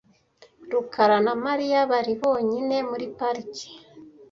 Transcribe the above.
rukara na Mariya bari bonyine muri parike .